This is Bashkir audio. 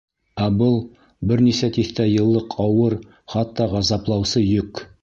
Ә был — бер нисә тиҫтә йыллыҡ ауыр, хатта ғазаплаусы йөк.